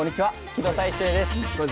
木戸大聖です。